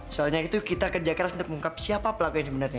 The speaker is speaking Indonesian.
soalnya itu kita kerja keras untuk mengungkap siapa pelaku yang sebenarnya